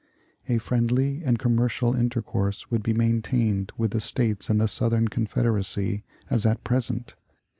A friendly and commercial intercourse would be maintained with the States in the Southern Confederacy as at present.